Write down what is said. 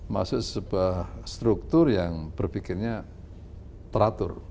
masuk sebuah struktur yang berpikirnya teratur